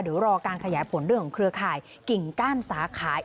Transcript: เดี๋ยวรอการขยายผลเรื่องของเครือข่ายกิ่งก้านสาขา